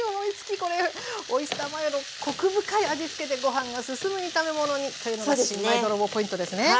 「これオイスターマヨのコク深い味付けでご飯がすすむ炒め物に」というのが新米泥棒ポイントですね。